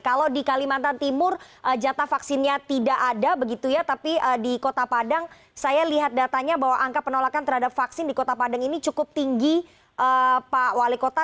kalau di kalimantan timur jatah vaksinnya tidak ada begitu ya tapi di kota padang saya lihat datanya bahwa angka penolakan terhadap vaksin di kota padang ini cukup tinggi pak wali kota